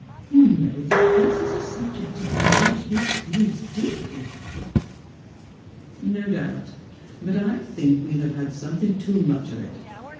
'You know that this is a subject upon which he feels deeply.' ' No doubt. But I think we have had something too much of it.